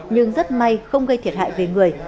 nhưng rất may không gây thiệt hại về người